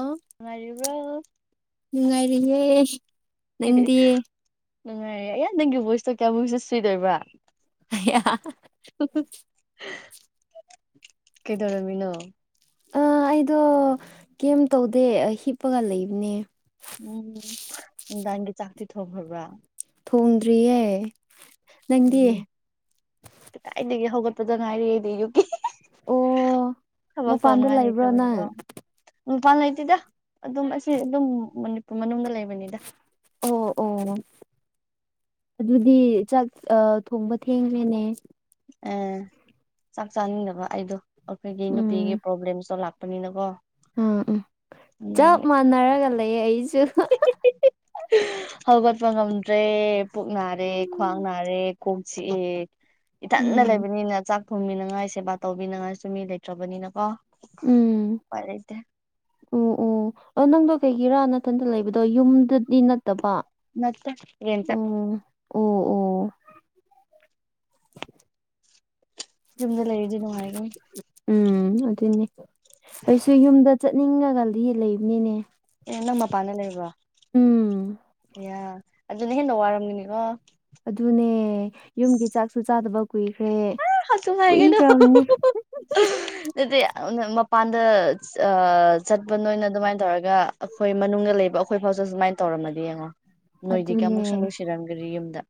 ꯑꯣ ꯅꯨꯡꯉꯥꯏꯔꯤꯕ꯭ꯔꯣ ꯅꯨꯡꯉꯥꯏꯔꯤꯌꯦ ꯅꯪꯗꯤ ꯅꯨꯡꯉꯥꯏꯔꯦ ꯑꯩꯌꯥ ꯅꯪꯒꯤ ꯚꯣꯏꯁꯇꯣ ꯀꯌꯥꯃꯨꯛꯁꯨ ꯁꯨꯏꯠ ꯑꯣꯏꯕ꯭ꯔꯥ [inaudible] ꯀꯩꯗꯧꯔꯝꯃꯤꯅꯣ ꯑ ꯑꯩꯗꯣ ꯀꯦꯝ ꯇꯧꯗꯦ ꯍꯤꯞꯄꯒ ꯂꯩꯕꯅꯦ ꯎꯝ ꯅꯨꯡꯗꯥꯡꯒꯤ ꯆꯥꯛꯇꯤ ꯊꯣꯡꯈ꯭ꯔꯕ꯭ꯔꯥ ꯊꯣꯡꯗ꯭ꯔꯤꯌꯦ ꯅꯪꯗꯤ ꯎꯝ ꯀꯗꯥꯏꯗꯒꯤ ꯍꯧꯒꯠꯄꯗ ꯉꯥꯏꯔꯤ ꯑꯩꯗꯤ ꯑꯌꯨꯛꯀꯤ ꯑꯣ ꯊꯕꯛ ꯃꯄꯥꯟꯗ ꯇꯧꯅꯉꯥꯢ ꯂꯩꯕ꯭ꯔꯣ ꯅꯪ ꯂꯩꯇꯕꯅꯤꯉꯣ꯫ ꯃꯄꯥꯟ ꯂꯩꯇꯦꯗ ꯑꯗꯨꯝ ꯑꯁꯤ ꯑꯗꯨꯝ ꯃꯅꯤꯄꯨꯔ ꯃꯅꯨꯡꯗ ꯂꯩꯕꯅꯤꯗ ꯑꯣ ꯑꯣ ꯑꯗꯨꯗꯤ ꯆꯥꯛ ꯑ ꯊꯣꯡꯕ ꯊꯦꯡꯈ꯭ꯔꯦꯅꯦ ꯑꯦ ꯆꯥꯛ ꯆꯥꯅꯤꯡꯗꯕ ꯑꯩꯗꯣ ꯑꯩꯈꯣꯏꯒꯤ ꯎꯝ ꯅꯨꯄꯤꯒꯤ ꯄ꯭ꯔꯣꯕ꯭ꯂꯦꯝꯁꯨ ꯂꯥꯛ ꯄꯅꯤꯅꯀꯣ ꯎꯝ ꯎꯝ ꯆꯞ ꯃꯥꯟꯅꯔꯒ ꯂꯩꯌꯦ ꯑꯩꯁꯨ [inaudible] ꯍꯧꯒꯠꯄ ꯉꯝꯗ꯭ꯔꯦ ꯄꯨꯛ ꯅꯥꯔꯦ ꯈ꯭ꯋꯥꯡ ꯅꯥꯔꯦ ꯀꯣꯛ ꯆꯤꯛꯑꯦ ꯏꯊꯟꯅ ꯎꯝ ꯂꯩꯕꯅꯤꯅ ꯆꯥꯛ ꯊꯣꯡꯕꯤꯅꯉꯥꯏ ꯁꯦꯕꯥ ꯇꯧꯕꯤꯅꯉꯥꯏꯁꯨꯨ ꯃꯤ ꯂꯩꯇ꯭ꯔꯕꯅꯤꯅ ꯀꯣ ꯎꯄꯥꯏ ꯂꯩꯇꯦ ꯎ ꯑꯣ ꯅꯪꯗꯣ ꯀꯩꯒꯤꯔꯥ ꯅꯊꯟꯗ ꯂꯩꯕꯗꯣ ꯌꯨꯝꯗꯗꯤ ꯅꯠꯇꯕ ꯅꯠꯇꯦ ꯔꯦꯟꯠꯇ ꯑꯣ ꯑꯣ ꯑꯣ ꯌꯨꯝꯗ ꯂꯩꯔꯗꯤ ꯅꯨꯉꯥꯏꯒꯅꯤ ꯎꯝ ꯑꯗꯨꯅꯤ ꯑꯩꯁꯨ ꯌꯨꯝꯗ ꯆꯠꯅꯤꯡꯉꯒꯗꯤ ꯂꯩꯕꯅꯤꯅꯦ꯫ ꯑꯦ ꯅꯪ ꯃꯄꯥꯟꯗ ꯂꯩꯕ꯭ꯔꯣ ꯎꯝ ꯑꯗꯨꯅ ꯍꯦꯟꯅ ꯋꯥꯔꯝꯒꯅꯤꯀꯣ꯫ ꯑꯗꯨꯅꯦ ꯌꯨꯝꯒꯤ ꯆꯥꯛꯁꯨ ꯆꯥꯗꯕ ꯀꯨꯏꯈ꯭ꯔꯦ ꯍꯁꯨ ꯍꯥꯏꯒꯅꯨ ꯀꯨꯏꯈ꯭ꯔꯕꯅꯦ ꯑꯗꯨꯗꯤ ꯃꯄꯥꯟꯗ ꯑ ꯆꯠꯄ ꯅꯣꯏꯅ ꯑꯗꯨꯃꯥꯏꯅ ꯇꯧꯔꯒ ꯑꯩꯈꯣꯏ ꯃꯅꯨꯡꯗ ꯂꯩꯕ ꯑꯩꯈꯣꯏ ꯐꯥꯎ ꯁꯨꯃꯥꯏꯅ ꯇꯧꯔꯝꯃꯗꯤ ꯌꯦꯡꯉꯣ ꯅꯣꯏꯗꯤ ꯑꯗꯨꯅꯦ ꯀꯌꯥꯃꯨꯛꯁꯨ ꯅꯨꯡꯁꯤꯔꯝꯒꯔꯤ ꯌꯨꯝꯗ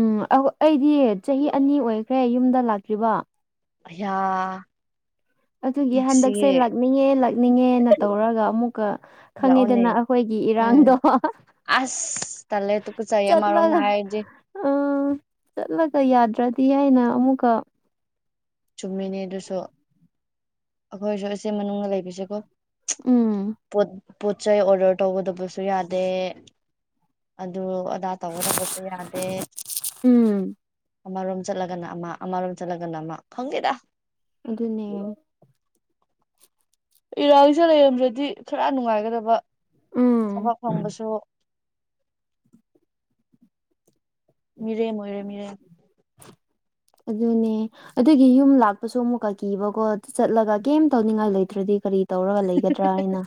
ꯎꯝ ꯑꯧ ꯑꯩꯗꯤ ꯆꯍꯤ ꯑꯅꯤ ꯑꯣꯏꯈ꯭ꯔꯦ ꯌꯨꯝꯗ ꯂꯥꯛꯇ꯭ꯔꯤꯕꯥ ꯑꯌꯥ ꯑꯗꯨꯒꯤ ꯍꯟꯗꯛꯁꯦ ꯅꯨꯡꯁꯤꯌꯦ ꯂꯥꯛꯅꯤꯡꯉꯦ ꯂꯥꯛꯅꯤꯡꯉꯦꯅ ꯇꯧꯔꯒ ꯑꯃꯨꯛꯀ ꯂꯥꯛꯑꯣꯅꯦ ꯈꯪꯉꯦꯗꯅ ꯑꯩꯈꯣꯏꯒꯤ ꯎꯝ ꯏꯔꯥꯡꯗꯣ ꯑꯁ ꯇꯜꯂꯦ ꯇꯨꯀꯨꯠꯆꯩꯌꯦ ꯑꯃꯔꯣꯝꯗ ꯍꯥꯏꯔꯗꯤ ꯑ ꯆꯠꯂꯒ ꯌꯥꯗ꯭ꯔꯗꯤ ꯍꯥꯏꯅ ꯑꯃꯨꯛꯀ ꯆꯨꯝꯃꯤꯅꯦ ꯑꯗꯨꯁꯨ ꯑꯈꯣꯏꯁꯨ ꯑꯁꯤ ꯃꯅꯨꯡꯗ ꯂꯩꯕꯁꯦꯀꯣ ꯎꯝ ꯄꯣꯠ ꯄꯣꯠꯆꯩ ꯑꯣꯔꯗꯔ ꯇꯧꯒꯗꯕꯁꯨ ꯌꯥꯗꯦ ꯑꯗꯨ ꯇꯥꯠ ꯇꯧꯒꯗꯕꯁꯨ ꯌꯥꯗꯦ ꯎꯝ ꯑꯃꯔꯣꯝ ꯆꯠꯂꯒꯅ ꯑꯃ ꯑꯃꯔꯣꯝ ꯆꯠꯂꯒꯅ ꯑꯃ ꯈꯪꯗꯦꯗ ꯑꯗꯨꯅꯦ ꯏꯔꯥꯡꯁꯦ ꯂꯩꯔꯝꯗ꯭ꯔꯗꯤ ꯈꯔ ꯅꯨꯡꯉꯥꯏꯒꯗꯕ ꯎꯝ ꯊꯕꯛ ꯐꯪꯕꯁꯨ ꯃꯤꯔꯦꯝ ꯑꯣꯏꯔꯦ ꯃꯤꯔꯦꯝ ꯑꯗꯨꯅꯦ ꯑꯗꯨꯒꯤ ꯌꯨꯝ ꯂꯥꯛꯄꯁꯨ ꯑꯃꯨꯛꯀ ꯀꯤꯕꯀꯣ ꯆꯠꯂꯒ ꯀꯩꯝ ꯇꯧꯅꯤꯡꯉꯥꯏ ꯂꯩꯇ꯭ꯔꯗꯤ ꯀꯔꯤ ꯇꯧꯔꯒ ꯂꯩꯒꯗ꯭ꯔꯥ ꯍꯥꯏꯅ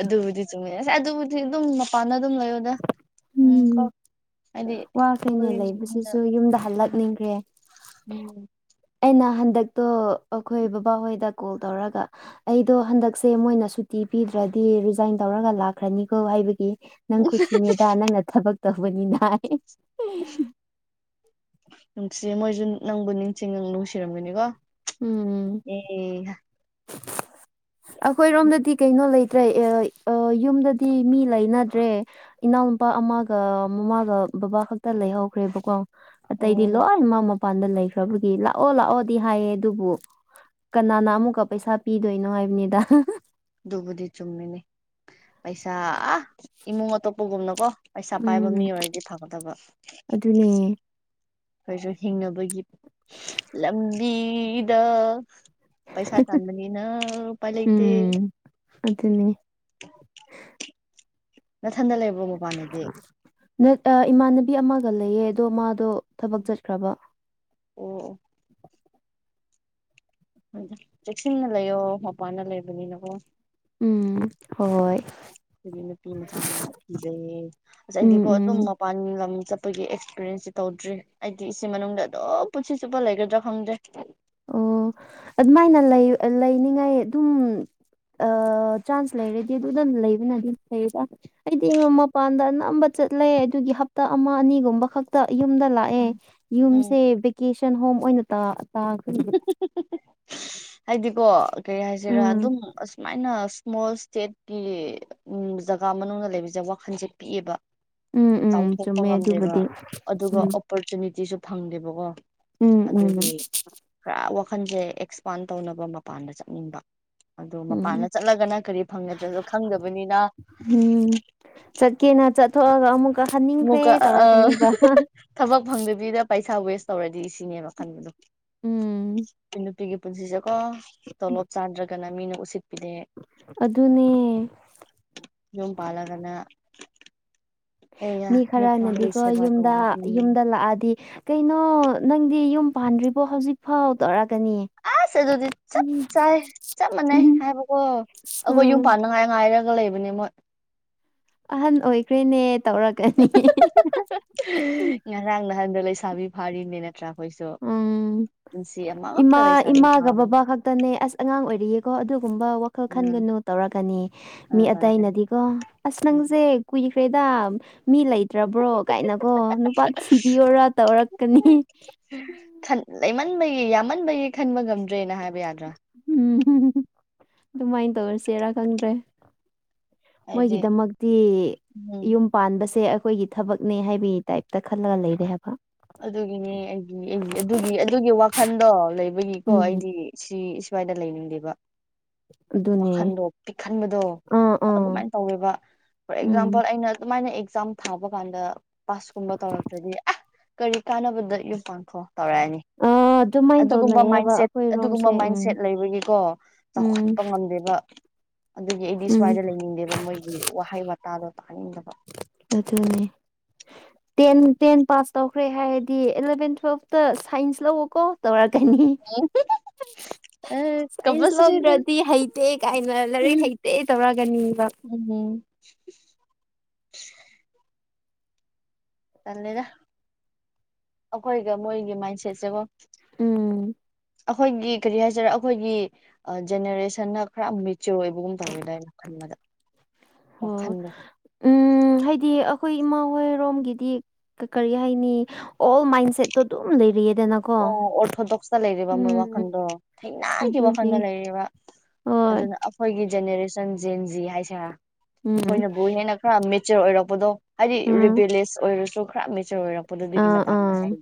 ꯑꯗꯨꯕꯨꯗꯤ ꯆꯨꯝꯃꯤ ꯑꯁ ꯑꯗꯨꯕꯨꯗꯤ ꯑꯗꯨꯝ ꯃꯄꯥꯟꯗ ꯑꯗꯨꯝ ꯂꯩꯌꯣꯗ ꯎꯝ ꯀꯣ ꯍꯥꯏꯗꯤ ꯋꯥꯈꯩꯅꯦ ꯑꯩꯈꯣꯏ ꯃꯤꯅ ꯂꯩꯕꯁꯤꯁꯨ ꯌꯨꯝꯗ ꯎꯝ ꯍꯜꯂꯛꯅꯤꯡꯈ꯭ꯔꯦ ꯎꯝ ꯑꯩꯅ ꯍꯟꯗꯛꯇꯣ ꯑꯩꯈꯣꯏ ꯕꯕꯥꯍꯣꯏꯗ ꯀꯣꯜ ꯇꯧꯔꯒ ꯑꯩꯗꯣ ꯍꯟꯗꯛꯁꯦ ꯃꯣꯏꯅ ꯁꯨꯇꯤ ꯄꯤꯗ꯭ꯔꯗꯤ ꯔꯤꯖꯥꯏꯟ ꯇꯧꯔꯒ ꯂꯥꯛꯈ꯭ꯔꯅꯤꯀꯣ ꯍꯥꯏꯕꯒꯤ ꯅꯪ ꯈꯨꯨꯁꯤꯅꯦꯗ ꯅꯪꯅ ꯊꯕꯛ ꯇꯧꯕꯅꯤꯅ ꯅꯨꯡꯁꯤ ꯃꯣꯏꯁꯨ ꯅꯪꯕꯨ ꯅꯤꯡꯁꯤꯡꯉ ꯅꯨꯡꯁꯤꯔꯝꯒꯅꯤꯀꯣ ꯎꯝ ꯑꯦ ꯑꯩꯈꯣꯏꯔꯣꯝꯗꯗꯤ ꯀꯩꯅꯣ ꯂꯩꯇ꯭ꯔꯦ ꯑ ꯌꯨꯝꯗꯗꯤ ꯃꯤ ꯂꯩꯅꯗ꯭ꯔꯦ ꯏꯅꯥꯎꯅꯨꯄꯥ ꯑꯃꯒ ꯃꯃꯥꯒ ꯕꯕꯥ ꯈꯛꯇ ꯂꯩꯍꯧꯈ꯭ꯔꯦꯕꯀꯣ ꯑꯇꯩꯗꯤ ꯑꯣ ꯂꯣꯏ ꯃꯥꯥ ꯃꯄꯥꯟꯗ ꯂꯩꯈ꯭ꯔꯕꯒꯤ ꯂꯥꯛꯑꯣ ꯂꯥꯛꯑꯣꯗꯤ ꯍꯥꯏꯌꯦ ꯑꯗꯨꯕꯨ ꯀꯅꯥꯅ ꯑꯃꯨꯛꯀ ꯄꯩꯁꯥ ꯄꯤꯗꯣꯏꯅꯣ ꯍꯥꯏꯕꯅꯤꯗ ꯑꯗꯨꯕꯨꯗꯤ ꯆꯨꯝꯃꯤꯅꯦ ꯄꯩꯁꯥ ꯏꯃꯨꯡ ꯑꯇꯣꯞꯄꯒꯨꯝꯅꯀꯣ ꯄꯩꯁꯥ ꯄꯥꯏꯕ ꯃꯤ ꯎꯝ ꯑꯣꯏꯔꯗꯤ ꯐꯥꯒꯗꯕ ꯑꯗꯨꯅꯦ ꯑꯩꯈꯣꯏꯁꯨ ꯍꯤꯡꯅꯕꯒꯤ ꯂꯝꯕꯤꯗ ꯄꯩꯁꯥ ꯆꯥꯟꯗꯅꯤꯅꯨ ꯄ ꯂꯩ ꯏꯇꯦ ꯑꯗꯨꯅꯤ [inaudible] ꯅꯊꯟꯗ ꯂꯩꯕ ꯅꯠ ꯑ ꯏꯃꯥꯟꯅꯕꯤ ꯑꯃꯒ ꯂꯩꯌꯦ ꯑꯗꯣ ꯃꯥꯗꯣ ꯊꯕꯛ ꯆꯠꯈ꯭ꯔꯕ ꯑꯣ ꯆꯦꯛꯁꯤꯟꯅ ꯂꯩꯌꯣ ꯃꯄꯥꯟꯗ ꯂꯩꯕꯅꯤꯅꯀꯣ ꯎꯝ ꯍꯣꯏ ꯑꯗꯒꯤ ꯅꯨꯄꯤ ꯃꯆꯥꯅꯦꯅ ꯏꯖꯩꯌꯦ ꯑꯁ ꯎꯝ ꯑꯩꯗꯤꯀꯣ ꯎꯝ ꯑꯗꯨꯝ ꯃꯄꯥꯟ ꯂꯝ ꯆꯠꯄꯒꯤ ꯑꯦꯛꯁꯄꯤꯔꯤꯦꯟꯁꯁ ꯇꯧꯗ꯭ꯔꯤ ꯑꯩꯗꯤ ꯏꯆ ꯃꯅꯨꯡꯗ ꯑꯗꯨꯝ ꯄꯨꯟꯁꯤ ꯆꯨꯞꯄ ꯂꯩꯒꯗ꯭ꯔꯥ ꯈꯪꯗ꯭ꯔꯦ ꯑꯣ ꯑꯗꯨꯃꯥꯏꯅ ꯂꯩ ꯂꯩꯅꯤꯉꯥꯏ ꯑꯗꯨꯝ ꯑ ꯆꯥꯟꯁ ꯂꯩꯔꯦꯗꯤ ꯑꯗꯨꯗ ꯂꯩꯕꯅꯗꯤ ꯂꯩꯗ ꯑꯩꯗꯤꯉꯣꯟ ꯃꯄꯥꯟꯗ ꯑꯅꯝꯕ ꯆꯠꯂꯦ ꯑꯗꯨꯒꯤ ꯍꯞꯇꯥ ꯑꯃ ꯑꯅꯤꯒꯨꯝꯕ ꯈꯛꯇ ꯌꯨꯝꯗ ꯂꯥꯛꯑꯦ ꯑꯦ ꯎꯝ ꯌꯨꯝꯁꯦ ꯚꯦꯀꯦꯁꯟ ꯍꯣꯝ ꯑꯣꯏꯅꯥ ꯇꯥ ꯇꯥꯈ꯭ꯔꯦ ꯍꯥꯏꯗꯤꯀꯣ ꯀꯔꯤ ꯍꯥꯏꯁꯤꯔ ꯎꯝ ꯑꯗꯨꯝ ꯑꯁꯨꯃꯥꯏꯅ ꯏ꯭ꯁꯃꯣꯜ ꯏꯁ꯭ꯇꯦꯠ [unintelligible] ꯖꯒꯥ ꯃꯅꯨꯡꯗ ꯂꯩꯕꯁꯦ ꯋꯥꯈꯜꯁꯦ ꯄꯤꯛꯑꯦꯕ ꯎꯝ ꯎꯝ ꯆꯥꯎꯊꯣꯛꯄ ꯆꯨꯝꯃꯦ ꯉꯝꯗꯦꯕ ꯑꯗꯨꯕꯨꯗꯤ ꯑꯗꯨꯒ ꯎꯝ ꯑꯣꯄꯣꯔꯆꯨꯅꯤꯇꯤꯁꯨ ꯐꯪꯗꯦꯕꯀꯣ ꯎꯝ ꯎꯝ ꯑꯗꯨꯒꯤ ꯈꯔ ꯋꯥꯈꯟꯁꯦ ꯑꯦꯛ ꯋꯥꯟ ꯇꯧꯅꯕ ꯃꯄꯥꯟꯗ ꯆꯠꯅꯤꯡꯕ ꯑꯗꯨ ꯎꯝ ꯃꯄꯥꯟꯗ ꯆꯠꯂꯒꯅ ꯀꯔꯤ ꯐꯪꯒꯗ꯭ꯔꯁꯨ ꯈꯪꯗꯕꯅꯤꯅ ꯎꯝ ꯆꯠꯀꯦꯅ ꯆꯠꯊꯣꯛꯑꯒ ꯑꯃꯨꯛꯀ ꯍꯟꯅꯤꯡꯈ꯭ꯔꯦ ꯑꯃꯨꯛꯀ ꯇꯧꯔꯛꯀꯅꯦꯕ ꯊꯕꯛ ꯐꯪꯗꯕꯤꯗ ꯄꯩꯁꯥ ꯋꯦꯁ ꯇꯧꯔꯗꯤ ꯏ ꯁꯤꯅꯦꯕ ꯈꯟꯕꯅꯨ ꯎꯝ ꯅꯨꯄꯤꯒꯤ ꯄꯨꯟꯁꯤꯁꯦꯀꯣ ꯇꯣꯂꯣꯞ ꯆꯥꯗ꯭ꯔꯒꯅ ꯃꯤꯅ ꯎꯁꯤꯠꯄꯤꯅꯦ ꯑꯗꯨꯅꯦ ꯌꯨꯝ ꯄꯥꯂꯒꯅ ꯃꯤ ꯈꯔꯅꯗꯤꯀꯣ ꯁꯦꯕꯥ ꯌꯨꯝꯗ ꯇꯧꯕ ꯎꯝ ꯌꯨꯝꯗ ꯂꯥꯛꯑꯗꯤ ꯀꯩꯅꯣ ꯅꯪꯗꯤ ꯌꯨꯝ ꯄꯥꯟꯗ꯭ꯔꯤꯕꯣ ꯍꯧꯖꯤꯛꯐꯥꯎ ꯇꯧꯔꯛꯒꯅꯤ ꯑꯁ ꯑꯗꯨꯗꯤ ꯆꯞ ꯆꯥꯏ ꯆꯞ ꯃꯥꯟꯅꯩ ꯍꯥꯏꯕꯀꯣ ꯑꯩꯈꯣꯏ ꯌꯨꯝ ꯎꯝ ꯄꯥꯟꯅꯉꯥꯏ ꯉꯥꯏꯔꯒ ꯂꯩꯕꯅꯦ ꯃꯣꯏ ꯑꯍꯟ ꯑꯣꯏꯈ꯭ꯔꯦꯅꯦ ꯇꯧꯔꯛꯀꯅꯤ ꯉꯔꯥꯡ ꯅꯍꯥꯟꯗꯣ ꯂꯩꯁꯥꯕꯤ ꯐꯥꯔꯤꯅꯦ ꯅꯠꯇ꯭ꯔꯥ ꯑꯩꯈꯣꯏꯁꯨ ꯎꯝ ꯅꯨꯡꯁꯤ ꯑꯃ ꯏꯃꯥ ꯏꯃꯥꯒ ꯕꯕꯥ ꯈꯛꯇꯅꯦ ꯑꯁ ꯑꯉꯥꯡ ꯑꯣꯏꯔꯤꯌꯦꯀꯣ ꯑꯗꯨꯒꯨꯝꯕ ꯋꯥꯈꯜ ꯎꯝ ꯈꯟꯒꯅꯨ ꯇꯧꯔꯛꯀꯅꯤ ꯃꯤ ꯑꯗꯨꯅ ꯇꯧꯔꯛꯀꯅꯤ ꯑꯇꯩꯅꯗꯤꯀꯣ ꯑꯁ ꯎꯝ ꯅꯪꯁꯦ ꯀꯨꯏꯈ꯭ꯔꯦꯗ ꯃꯤ ꯂꯩꯇ꯭ꯔꯕ꯭ꯔꯣ ꯀꯥꯏꯅꯀꯣ ꯅꯨꯄꯥ ꯊꯤꯕꯤꯌꯣꯔ ꯇꯧꯔꯛꯀꯅꯤ ꯂꯩꯃꯟꯕꯒꯤ ꯌꯥꯝꯃꯟꯕꯒꯤ ꯈꯟꯕ ꯉꯝꯗ꯭ꯔꯦꯅ ꯍꯥꯏꯕ ꯌꯥꯗ꯭ꯔꯥ ꯎꯝ ꯑꯗꯨꯃꯥꯏꯅ ꯇꯧꯔꯁꯦꯔꯥ ꯈꯪꯗ꯭ꯔꯦ ꯍꯥꯏꯗꯤ ꯃꯣꯏꯒꯤꯗꯃꯛꯇꯤ ꯎꯝ ꯌꯨꯝ ꯄꯥꯟꯕꯁꯦ ꯑꯩꯈꯣꯏꯒꯤ ꯊꯕꯛꯅꯦ ꯍꯥꯏꯕꯒꯤ ꯇꯥꯏꯞꯇ ꯈꯜꯂꯒ ꯂꯩꯔꯦ ꯍꯥꯏꯕ ꯑꯗꯨꯒꯤꯅꯦ ꯑꯩꯒꯤ ꯑꯩꯒꯤ ꯑꯗꯨꯒꯤ ꯑꯗꯨꯒꯤ ꯋꯥꯈꯟꯗꯣ ꯂꯩꯕꯒꯤꯀꯣ ꯎꯝ ꯑꯩꯗꯤ ꯁꯤ ꯁ꯭ꯋꯥꯏꯗ ꯂꯩꯅꯤꯡꯗꯦꯕ ꯑꯗꯨꯅꯦ ꯋꯥꯈꯟꯗꯣ ꯄꯤꯛ ꯍꯟꯕꯗꯣ ꯑꯥ ꯑꯥ ꯑꯗꯨꯃꯥꯏꯅ ꯇꯧꯋꯦꯕ ꯐꯣꯔ ꯎꯝ ꯑꯦꯛꯖꯥꯝꯄꯜ ꯑꯩꯅ ꯑꯗꯨꯃꯥꯏꯅ ꯑꯦꯛꯖꯥꯝ ꯊꯥꯕ ꯀꯥꯟꯗ ꯄꯥꯁꯀꯨꯝꯕ ꯇꯧꯔꯛꯇ꯭ꯔꯗꯤ ꯑ ꯀꯔꯤ ꯀꯥꯟꯅꯕꯗ ꯌꯨꯝ ꯄꯥꯡꯈ꯭ꯔꯣ ꯇꯧꯔꯛꯑꯅꯤ ꯑ ꯑꯗꯨꯃꯥꯏꯅ ꯑꯗꯨꯒꯨꯝꯕ ꯇꯧꯅꯩꯌꯦꯕ ꯃꯥꯏꯟꯁꯦꯠ ꯑꯩꯈꯣꯏꯔꯣꯝꯁꯦ ꯑꯗꯨꯒꯨꯝꯕ ꯎꯝ ꯃꯥꯏꯟꯁꯦꯠ ꯂꯩꯕꯒꯤꯀꯣ ꯎꯝ ꯆꯥꯎꯈꯠꯄ ꯉꯝꯗꯦꯕ ꯑꯗꯨꯒꯤ ꯑꯩꯗꯤ ꯎꯝ ꯁ꯭ꯋꯥꯏꯗ ꯂꯩꯅꯤꯡꯗꯦꯕ ꯃꯣꯏꯒꯤ ꯋꯥꯍꯩ ꯋꯇꯥꯗꯣ ꯇꯥꯅꯤꯡꯗꯕ ꯑꯗꯨꯅꯤ ꯇꯦꯟ ꯇꯦꯟ ꯄꯥꯁ ꯇꯧꯈ꯭ꯔꯦ ꯍꯥꯏꯔꯗꯤ ꯑꯦꯂꯚꯦꯟ ꯇꯨꯋꯦꯜꯞꯇ ꯁꯥꯏꯟꯁ ꯂꯧꯋꯣ ꯀꯣ ꯇꯧꯔꯛꯀꯅꯤ ꯑꯦ ꯁꯥꯏꯟꯁ ꯀꯝꯄꯜꯁꯔꯤꯗ ꯂꯧꯗ꯭ꯔꯗꯤ ꯍꯩꯇꯦ ꯀꯥꯏꯅ ꯂꯥꯏꯔꯤꯛ ꯍꯩꯇꯦ ꯇꯧꯔꯒꯅꯦꯕ ꯎꯝ ꯇꯜꯂꯦꯗ ꯑꯩꯈꯣꯏꯒ ꯃꯣꯏꯒꯤ ꯃꯥꯏꯟꯁꯦꯠꯁꯦꯀꯣ ꯎꯝ ꯑꯩꯈꯣꯏꯒꯤ ꯀꯔꯤ ꯍꯥꯏꯖꯤꯔ ꯑꯩꯈꯣꯏꯒꯤ ꯖꯦꯅꯦꯔꯦꯁꯟꯅ ꯈꯔ ꯃꯦꯆꯌꯣꯔ ꯑꯣꯏꯕꯒꯨꯝ ꯇꯧꯋꯦꯗ ꯑꯩꯅ ꯈꯟꯕꯗ ꯑꯣ ꯋꯥꯈꯟꯗꯣ ꯎꯝ ꯍꯥꯏꯗꯤ ꯑꯩꯈꯣꯏ ꯏꯃꯥ ꯍꯣꯏꯔꯣꯝꯒꯤꯗꯤ ꯀꯔꯤ ꯍꯥꯏꯅꯤ ꯑꯣꯜ ꯃꯥꯏꯟꯁꯦꯠꯇꯣ ꯑꯗꯨꯝ ꯂꯩꯔꯤꯌꯦꯗꯅ ꯑꯣ ꯑꯣꯔꯊꯣꯗꯣꯛꯁꯇ ꯂꯩꯔꯤꯕ ꯃꯣꯢ ꯋꯥꯈꯜꯗꯣ ꯊꯩꯅꯥꯒꯤ ꯑꯗꯨꯒꯤ ꯋꯥꯈꯜꯗ ꯂꯩꯔꯤꯕ ꯍꯣꯏ ꯑꯗꯨꯅ ꯑꯩꯈꯣꯏꯒꯤ ꯖꯦꯅꯦꯔꯦꯁꯟ ꯖꯦꯟ ꯖꯤ ꯍꯥꯏꯁꯤꯔꯥ ꯎꯝ ꯑꯩꯈꯣꯏꯅꯕꯨ ꯍꯦꯟꯅ ꯈꯔ ꯃꯦꯆ꯭ꯌꯣꯔ ꯑꯣꯏꯔꯛꯄꯗꯣ ꯍꯥꯏꯗꯤ ꯎꯝ ꯔꯤꯕꯦꯂꯦꯁ ꯑꯣꯏꯔꯁꯨ ꯄꯨꯔꯞ ꯃꯦꯆꯔ ꯑꯣꯏꯔꯛꯄꯗꯣ ꯑꯗꯨꯒꯤ ꯑꯥ ꯃꯇꯥꯡꯗ ꯑꯥ ꯍꯥꯏꯌꯦ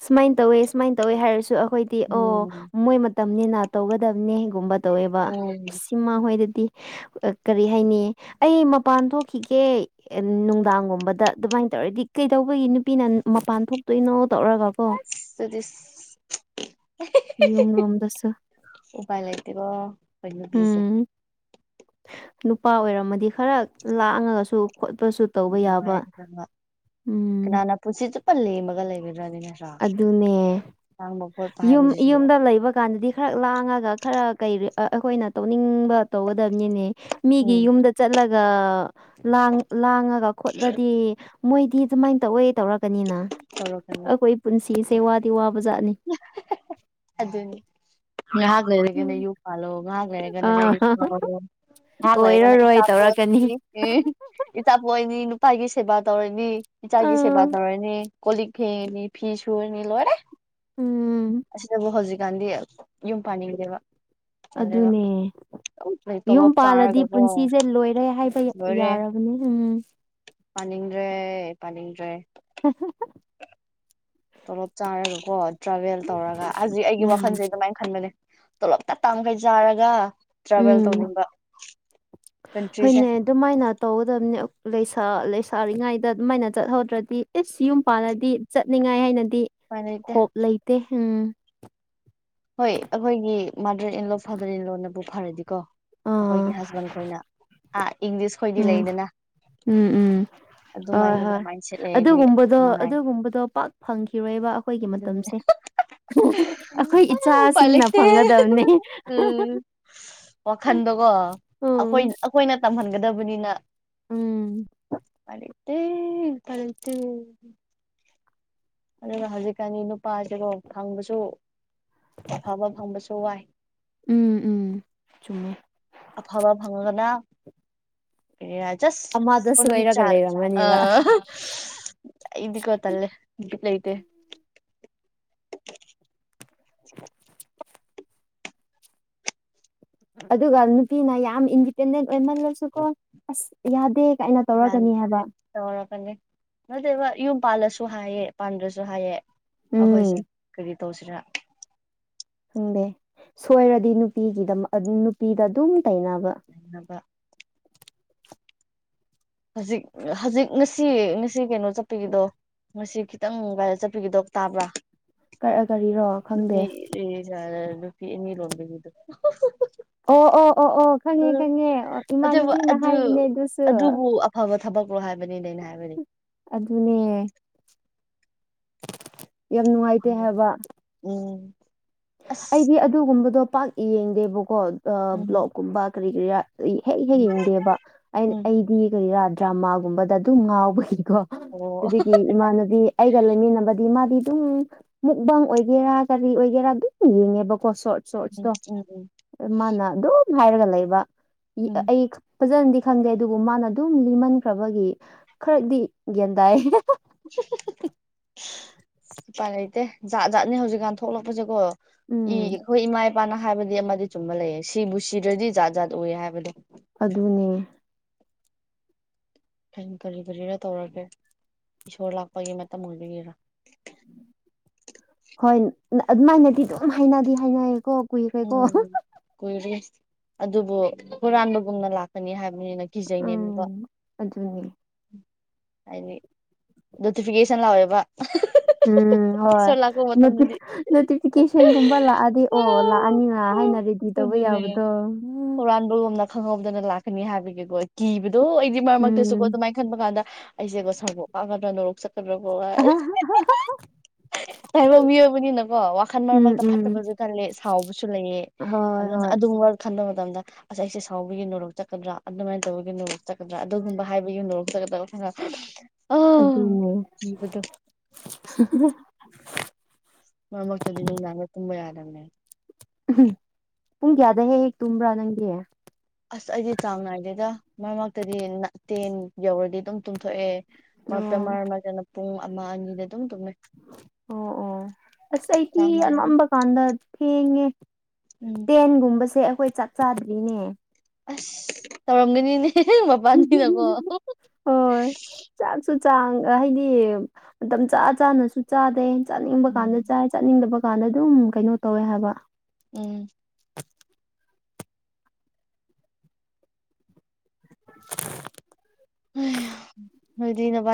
ꯁꯨꯃꯥꯏꯅ ꯇꯧꯋꯦ ꯁꯨꯃꯥꯏꯅ ꯇꯧꯋꯦ ꯍꯥꯏꯔꯁꯨ ꯑꯩꯈꯣꯏꯗꯤ ꯑꯣ ꯎꯝ ꯃꯣꯏ ꯃꯇꯝꯅꯤꯅ ꯇꯧꯒꯗꯕꯅꯤꯒꯨꯝꯕ ꯇꯧꯋꯦꯕ ꯎꯝ ꯁꯤꯃ ꯍꯣꯏꯗꯗꯤ ꯀꯔꯤ ꯍꯥꯏꯅꯤ ꯑꯩ ꯃꯄꯥꯟ ꯊꯣꯛꯈꯤꯒꯦ ꯅꯨꯡꯗꯥꯡꯒꯨꯝꯕꯗ ꯑꯗꯨꯃꯥꯏꯅ ꯇꯧꯔꯗꯤ ꯀꯩꯗꯧꯕꯒꯤ ꯅꯨꯄꯤꯅ ꯃꯄꯥꯟ ꯊꯣꯛꯇꯣꯏꯅꯣ ꯇꯧꯔꯒ ꯀꯣ ꯑꯗꯨꯗꯤꯁ ꯌꯨꯝ ꯔꯣꯝꯗꯁꯨ ꯎꯄꯥꯥꯏ ꯂꯩꯇꯦꯕꯣ ꯅꯨ ꯄ꯭ꯂꯤꯤꯁꯦ ꯎꯝ ꯅꯨꯄꯥ ꯑꯣꯏꯔꯝꯃꯗꯤ ꯈꯔ ꯂꯥꯡꯉꯒꯁꯨ ꯈꯣꯠꯄꯁꯨ ꯇꯧꯕ ꯌꯥꯕ ꯎꯝ ꯄꯨꯟꯁꯤꯁꯨ ꯆꯨꯞꯄ ꯂꯦꯝꯃꯒ ꯂꯩꯒꯗ꯭ꯔꯅꯦ ꯑꯗꯨꯅꯦ ꯂꯥꯡꯕ ꯈꯣꯠꯄ ꯌꯨꯝ ꯍꯥꯏꯕꯁꯤꯁꯨ ꯌꯨꯝꯗ ꯂꯩꯕ ꯀꯥꯟꯗꯗꯤ ꯈꯔ ꯂꯥꯡꯉꯒ ꯈꯔ ꯀꯩ ꯑꯩꯈꯣꯏꯅ ꯇꯧꯅꯤꯡꯕ ꯇꯧꯒꯗꯕꯅꯤꯅꯦ ꯃꯤꯒꯤ ꯎꯝ ꯌꯨꯝꯗ ꯆꯠꯂꯒ ꯂꯥꯡꯉꯒ ꯈꯣꯠꯂꯗꯤ ꯃꯣꯏꯗꯤ ꯑꯗꯨꯃꯥꯏꯅ ꯇꯧꯋꯦ ꯇꯧꯔꯛ ꯀꯅꯤꯅ ꯇꯧꯔꯛꯀꯅꯤ ꯑꯩꯈꯣꯏ ꯄꯨꯟꯁꯤꯁꯦ ꯋꯥꯗꯤ ꯋꯥꯕꯖꯥꯠꯅꯤ ꯑꯗꯨꯅꯦ ꯉꯩꯍꯥꯛ ꯂꯩꯔꯒꯅ ꯌꯨꯝ ꯄꯥꯜꯂꯣ ꯉꯩꯍꯥꯛ ꯂꯩꯔꯒꯅ [unintelligible] ꯑꯥ ꯉꯩꯍꯥꯛ ꯂꯩꯔꯒꯅ ꯑꯣꯏꯔꯔꯣꯏ ꯢꯆꯥ ꯇꯧꯔꯛꯀꯅꯤ ꯄꯣꯛꯑꯅꯤ ꯎꯝ ꯏꯆꯥ ꯄꯣꯛꯏꯅꯤ ꯅꯨꯄꯥꯒꯤ ꯁꯦꯕꯥ ꯇꯧꯔꯅꯤ ꯏꯆꯥꯒꯤ ꯁꯦꯕꯥ ꯑꯥ ꯇꯧꯔꯅꯤ ꯀꯂꯤꯛ ꯐꯤꯉꯅꯤ ꯐꯤꯤꯁꯔꯅꯤ ꯂꯣꯏꯔꯦ ꯎꯝ ꯑꯁꯤꯗꯕꯨ ꯍꯧꯖꯤꯛꯀꯥꯟꯗꯤ ꯌꯨꯝ ꯄꯥꯅꯤꯡꯗꯦꯕ ꯇꯜꯂꯦꯕ ꯑꯗꯨꯅꯦ ꯑꯗꯨꯝ ꯌꯨꯝ ꯇꯣꯂꯣꯞ ꯄꯥꯜꯂꯗꯤ ꯆꯥꯔꯒꯀꯣ ꯄꯨꯟꯁꯤꯁꯦ ꯂꯣꯏꯔꯦ ꯍꯥꯏꯕ ꯌꯥꯔꯕꯅꯦ ꯎꯝ ꯄꯅꯤꯡꯗ꯭ꯔꯦ ꯄꯅꯤꯡ꯭ꯔꯦ [inaudible] ꯇꯣꯂꯣꯞ ꯆꯥꯔꯒ ꯀꯣ ꯇ꯭ꯔꯥꯚꯦꯜ ꯇꯧꯔꯒ ꯍꯧꯖꯤꯛ ꯑꯩꯒꯤ ꯎꯝ ꯋꯥꯈꯜꯁꯦ ꯑꯗꯨꯃꯥꯏꯅ ꯈꯟꯕꯅꯦ ꯇꯣꯂꯣꯞ ꯇ ꯇꯥꯡꯈꯩ ꯆꯥꯔꯒ ꯇ꯭ꯔꯦꯕꯦꯜ ꯎꯝ ꯇꯅꯅꯨꯡꯗ ꯄꯆꯁꯦ ꯍꯣꯏꯅꯦ ꯑꯗꯨꯃꯥꯏꯅ ꯇꯧꯒꯗꯕꯅꯤꯁꯥ ꯂꯩꯁꯥꯔꯤꯉꯩꯗ ꯑꯗꯨꯃꯥꯏꯅ ꯆꯠꯍꯧꯗ꯭ꯔꯗꯤ ꯑꯦꯁ ꯌꯨꯝ ꯄꯥꯜꯂꯗꯤ ꯆꯠꯅꯤꯡꯉꯥꯏ ꯍꯥꯏꯅꯗꯤ ꯎꯄꯥꯏ ꯂꯩꯇꯦ ꯍꯣꯞ ꯂꯩꯇꯦ ꯎꯝ ꯍꯣꯏ ꯑꯩꯈꯣꯏꯒꯤ ꯃꯥꯗꯔ ꯏꯟꯂꯣ ꯐꯥꯗꯔ ꯏꯟ ꯂꯣꯅꯕꯨ ꯐꯔꯗꯤꯀꯣ ꯑꯥ ꯑꯩꯈꯣꯏꯒꯤ ꯍꯁꯕꯦꯟ ꯈꯣꯏꯅ ꯑꯥ ꯏꯪꯂꯤꯁ ꯈꯣꯏꯗꯤ ꯎꯝ ꯂꯩꯗꯅ ꯎꯝ ꯎꯝ ꯍꯣꯏ ꯑꯗꯨꯃꯥꯏꯒꯨꯝꯕ ꯍꯣꯏ ꯃꯥꯏꯟꯁꯦꯠ ꯂꯩꯔꯗꯤ ꯑꯗꯨꯒꯨꯝꯕꯗꯣ ꯅꯨꯡꯉꯥꯏ ꯑꯗꯨꯒꯨꯝꯕꯗꯣ ꯄꯥꯛ ꯐꯪꯈꯤꯔꯣꯏꯕ ꯑꯩꯈꯣꯏꯒꯤ ꯑꯗꯨ ꯃꯇꯝꯁꯦ ꯑꯩꯈꯣꯏ ꯎꯝ ꯏꯆꯥꯁꯤꯡꯅ ꯄꯂꯤꯁꯦ ꯐꯪꯒꯗꯕꯅꯦ ꯎꯝ ꯋꯥꯈꯟꯗꯀꯣ ꯎꯝ ꯑꯩꯈꯣꯏ ꯑꯩꯈꯣꯏꯅ ꯇꯝꯍꯟꯒꯗꯕꯅꯤꯅ ꯎꯝ ꯄꯂꯤꯇꯦ ꯄꯂꯤꯇ ꯑꯗꯨꯒ ꯍꯧꯖꯤꯛꯀꯥꯟꯗꯤ ꯅꯨꯄꯥꯁꯤꯕꯨꯣ ꯐꯪꯕꯁꯨ ꯑꯐꯕ ꯐꯪꯕꯁꯨ ꯋꯥꯏ ꯎꯝ ꯎꯝ ꯆꯨꯝꯃꯦ ꯑꯐꯕ ꯐꯪꯉꯒꯅ ꯁ ꯑꯃꯗ ꯑꯣꯗꯤ ꯁꯣꯏꯔꯒ ꯆꯔ ꯑ ꯂꯩꯔꯝꯃꯅꯦꯕ ꯏꯒꯣꯠꯇꯂꯦ ꯏꯠ ꯂ ꯂꯩꯗꯦ [inaudible] [inaudible] ꯑꯗꯨꯒ ꯅꯨꯄꯤꯅ ꯌꯥꯝ ꯏꯟꯗꯤꯄꯦꯟꯗꯦꯟ ꯑꯣꯏꯃꯜꯂꯁꯨꯀꯣ ꯑꯁ ꯌꯥꯗꯦ ꯀꯥꯏꯅ ꯒ꯭ꯌꯥꯟ ꯇꯧꯔꯒꯅꯤ ꯍꯥꯏꯕ ꯇꯧꯔꯛꯀꯅꯤ ꯅꯠꯇꯕ ꯌꯨꯝ ꯄꯥꯜꯂꯁꯨ ꯍꯥꯏꯌꯦ ꯄꯥꯟꯗ꯭ꯔꯁꯨ ꯍꯥꯏꯌꯦ ꯎꯝ ꯑꯩꯈꯣꯏꯁꯦ ꯀꯔꯤ ꯇꯧꯁꯤꯅ ꯈꯪꯗꯦ ꯁꯣꯏꯔꯗꯤ ꯅꯨꯄꯤꯒꯤꯗ ꯅꯨꯄꯤꯗ ꯑꯗꯨꯝ ꯇꯩꯅꯕ ꯎꯅꯕ ꯍꯧꯖꯤꯛ ꯍꯧꯖꯤꯛ ꯉꯁꯤ ꯉꯁꯤ ꯀꯩꯅꯣ ꯆꯠꯄꯒꯤꯗꯣ ꯉꯥꯁꯤ ꯈꯤꯇꯪ ꯃꯨꯝꯕꯥꯏ ꯆꯠꯄꯤꯒꯗꯣ ꯇꯥꯕ꯭ꯔꯥ ꯀꯛꯑꯥ ꯀꯔꯤꯔꯣ ꯈꯪꯗꯦ ꯑꯦ ꯖꯔ ꯅꯨꯄꯤ ꯑꯅꯤ ꯂꯣꯟꯕꯒꯤꯗꯣ ꯑꯣ ꯑꯣ ꯑꯣ ꯑꯣ ꯈꯪꯉꯦ ꯈꯪꯉꯦ ꯏꯃꯥꯟꯅꯨꯕꯤꯅ ꯍꯥꯏꯕꯅꯦ ꯑꯗꯨꯁꯨ ꯇꯨ ꯑꯐꯕ ꯊꯕꯛꯔꯣ ꯍꯥꯏꯕꯅꯤꯗꯩꯅ ꯍꯥꯏꯕ ꯑꯗꯨꯅꯦ ꯌꯥꯝ ꯅꯨꯡꯉꯥꯏꯇꯦ ꯍꯥꯏꯕ ꯎꯝ ꯑꯁ ꯑꯩꯗꯤ ꯑꯗꯨꯒꯨꯝꯕꯗꯣ ꯄꯥꯛ ꯌꯦꯡꯗꯦꯕꯀꯣ ꯎꯝ ꯕ꯭ꯂꯣꯛꯀꯨꯝꯕ ꯀꯔꯤ ꯀꯔꯤꯥ ꯍꯦꯛ ꯍꯦꯛ ꯎꯝ ꯌꯦꯡꯗꯦꯕ ꯑ ꯎꯝ ꯑꯩꯗꯤ ꯀꯔꯤꯔꯥ ꯗ꯭ꯔꯃꯥꯒꯨꯝꯕꯗ ꯑꯗꯨꯝ ꯉꯥꯎꯕꯒꯤꯀꯣ ꯑꯣ ꯑꯗꯨꯗꯤꯗꯒꯤ ꯏꯃꯥꯟꯅꯕꯤ ꯑꯩꯒ ꯂꯣꯏꯃꯤꯟꯅꯕꯗꯤ ꯃꯥꯗꯤ ꯑꯗꯨꯝ ꯃꯨꯛꯕꯪ ꯑꯣꯏꯒꯦꯔꯥ ꯀꯔꯤ ꯑꯣꯏꯒꯦꯔꯥ ꯑꯗꯨꯝ ꯌꯦꯡꯉꯦꯕꯀꯣ ꯁꯣꯔꯠ ꯎꯝ ꯁꯣꯔꯠꯁꯇꯣ ꯎꯝ ꯎꯝ ꯃꯥꯅ ꯑꯗꯨꯝ ꯍꯥꯏꯔꯒ ꯂꯩꯕ ꯑꯩ ꯎꯝ ꯑꯩ ꯈꯥ ꯐꯖꯅꯗꯤ ꯈꯪꯗꯦ ꯑꯗꯨꯕꯨ ꯃꯥꯅ ꯑꯗꯨꯝ ꯂꯤꯃꯟꯈ꯭ꯔꯕꯒꯤ ꯈꯔꯗꯤ ꯒ꯭ꯌꯥꯟ ꯇꯥꯏ ꯎꯄꯥꯏ ꯂꯩꯇꯦ ꯖꯥꯠ ꯖꯥꯠꯅꯦ ꯍꯧꯖꯤꯛꯀꯥꯟ ꯊꯣꯛꯂꯛꯄꯁꯦꯀꯣ ꯎꯝ ꯏꯔꯤ ꯈꯣꯏ ꯏꯃꯥꯥꯏ ꯕꯥꯅ ꯍꯥꯏꯕꯗꯤ ꯑꯃꯗꯤ ꯆꯨꯝꯕ ꯂꯩꯌꯦ ꯁꯤꯕꯨ ꯁꯤꯗ꯭ꯔꯗꯤ ꯖꯥꯠ ꯖꯥꯠ ꯎꯏ ꯍꯥꯏꯕꯗꯣ ꯑꯗꯨꯅꯦ ꯈꯪ ꯀꯔꯤ ꯀꯔꯤꯔ ꯇꯧꯔꯒꯦ ꯏꯁꯣꯔ ꯂꯥꯛꯄꯒꯤ ꯃꯇꯝ ꯑꯣꯏꯕꯒꯤꯔꯥ ꯍꯣꯏ ꯑꯗꯨꯃꯥꯏꯅꯗꯤ ꯑꯗꯨꯝ ꯍꯥꯏꯅꯗꯤ ꯍꯥꯏꯅꯩꯌꯦꯀꯣ ꯀꯨꯏꯈ꯭ꯔꯦꯀꯣ ꯎꯝ ꯀꯨꯏꯔꯦ ꯑꯗꯨꯕꯨ ꯍꯨꯔꯥꯟꯕꯒꯨꯝꯅ ꯂꯥꯛꯀꯅꯤ ꯍꯥꯏꯕꯅꯤꯅ ꯀꯤꯖꯩꯅꯦ ꯅꯨꯡꯒꯥ ꯎꯝ ꯑꯗꯨꯅꯦ ꯍꯥꯏꯗꯤ ꯅꯣꯇꯤꯐꯤꯀꯦꯁꯟ ꯂꯥꯛꯑꯦꯕ ꯎꯝ ꯍꯣꯏ ꯏꯁꯣꯔ ꯂꯥꯛꯄ ꯃꯇꯝꯗꯗꯤ ꯅꯣꯇꯤꯐꯤꯀꯦꯁꯟꯒꯨꯝꯕ ꯂꯥꯛꯑꯗꯤ ꯑꯣ ꯂꯥꯛꯑꯅꯤꯅ ꯍꯥꯏꯅ ꯔꯤꯗꯤ ꯑꯗꯨꯅꯦ ꯍꯨꯔꯥꯟꯕ ꯂꯣꯝꯅ ꯈꯪꯍꯧꯗꯅ ꯂꯥꯛꯀꯅꯤ ꯍꯥꯏꯕꯒꯤꯀꯣ ꯀꯤꯕꯗꯣ ꯑꯩꯗꯤ ꯃꯔꯛ ꯃꯔꯛꯇꯁꯨꯀꯣ ꯎꯝ ꯑꯗꯨꯃꯥꯏꯅ ꯈꯟꯕ ꯀꯥꯟꯗ ꯑꯩꯁꯦꯀꯣ ꯁꯒꯣꯛ ꯀꯒꯗ꯭ꯔꯥ ꯅꯣꯔꯣꯛ ꯆꯠ ꯆꯇꯀꯔꯥ ꯀꯣ [unintelligible] ꯇꯥꯏꯕꯪ ꯃꯤꯑꯣꯏꯕꯅꯤꯅꯀꯣ ꯋꯥꯈꯟ ꯃꯔꯛ ꯎꯝ ꯃꯔꯛꯇ ꯎꯝ ꯐꯠꯇꯕꯁꯨ ꯈꯜꯂꯦ ꯁꯥꯎꯕꯁꯨ ꯂꯩꯑꯦ ꯍꯣꯏ ꯑꯗꯨꯅ ꯍꯣꯏ ꯑꯗꯨꯒꯨꯝꯕ ꯈꯟꯕ ꯃꯇꯝꯗ ꯑꯁ ꯑꯩꯁꯦ ꯁꯥꯎꯕꯒꯤ ꯅꯣꯔꯣꯛ ꯆꯠꯀꯗ꯭ꯔꯥ ꯑꯗꯨꯃꯥꯏꯅ ꯇꯧꯕꯒꯤ ꯅꯣꯔꯣꯛ ꯆꯠꯀꯗ꯭ꯔꯥ ꯑꯗꯨꯒꯨꯝꯕ ꯍꯥꯏꯕꯒꯤ ꯅꯣꯔꯣꯛ ꯆꯠꯀꯗ꯭ꯔꯥ ꯑꯩꯈꯣꯏꯅ ꯑꯗꯨ ꯍꯥ ꯍꯥ ꯃꯔꯛ ꯃꯔꯛꯇꯗꯤ ꯅꯨꯡ ꯗꯥꯡꯗ ꯇꯨꯝꯕ ꯌꯥꯗꯕꯅꯦ ꯎꯍꯨ ꯄꯨꯡ ꯀꯌꯥꯗꯒ ꯍꯦꯛ ꯍꯦꯛ ꯇꯨꯝꯕ꯭ꯔꯥ ꯅꯪꯗꯤ ꯑꯁ ꯑꯩꯗꯤ ꯆꯥꯡ ꯅꯥꯏꯗꯦꯗ ꯃꯔꯛ ꯃꯔꯛꯇꯗꯤ ꯇꯦꯟ ꯌꯧꯔꯗꯤ ꯑꯗꯨꯝ ꯇꯨꯝꯊꯣꯛꯑꯦ ꯃꯥꯄꯟ ꯑꯣ ꯃꯔꯛ ꯃꯔꯛꯇꯅ ꯄꯨꯡ ꯑꯃ ꯑꯅꯤꯗ ꯑꯗꯨꯝ ꯇꯨꯝꯃꯦ ꯑꯣ ꯑꯣ ꯑꯁ ꯑꯩꯗꯤ ꯆꯥꯡ ꯅꯥꯏꯔ ꯑꯅꯝꯕ ꯀꯥꯟꯗ ꯊꯦꯡꯉꯦ ꯎꯝ ꯇꯦꯟꯒꯨꯝꯕꯁꯦ ꯑꯩꯈꯣꯏ ꯆꯥꯛ ꯆꯥꯗ꯭ꯔꯤꯅꯦ ꯑꯁ ꯇꯧꯔꯝꯒꯅꯤꯅꯦ ꯃꯄꯥꯟꯅꯤꯅꯀꯣ ꯍꯣꯏ ꯆꯥꯛꯁꯨ ꯆꯥꯡ ꯍꯥꯏꯗꯤ ꯃꯇꯝ ꯆꯥ ꯆꯥꯅꯁꯨ ꯆꯥꯗꯦ ꯆꯥꯅꯤꯡꯕ ꯀꯥꯟꯗ ꯎꯝ ꯆꯥꯏ ꯆꯠꯅꯤꯡꯗꯕ ꯀꯥꯟꯗ ꯑꯗꯨꯝ ꯀꯩꯅꯣ ꯇꯧꯋꯦ ꯍꯥꯏꯕ ꯎꯝ [inaudible] ꯑꯌꯥ ꯅꯣꯏꯗꯤ ꯅꯣꯕꯥꯏꯅꯤ